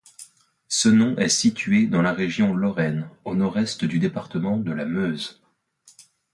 Senon est située dans la région Lorraine, au nord-est du département de la Meuse.